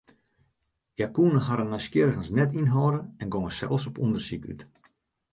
Hja koene harren nijsgjirrigens net ynhâlde en gongen sels op ûndersyk út.